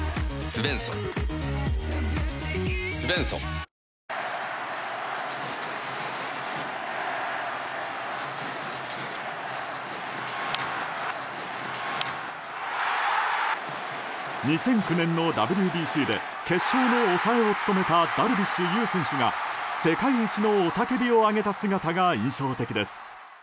東京海上日動２００９年のＷＢＣで決勝の抑えを務めたダルビッシュ有選手が世界一の雄たけびを上げた姿が印象的です。